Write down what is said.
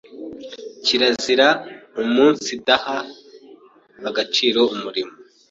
Kirazira umunsidaha agaciro umurimo